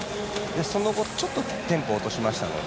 その後ちょっとテンポを落としましたので。